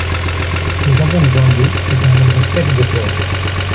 Le Jambon de Vendée est un jambon sec de porc.